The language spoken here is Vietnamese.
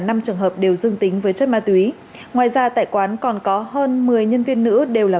năm trường hợp đều dương tính với chất ma túy ngoài ra tại quán còn có hơn một mươi nhân viên nữ đều là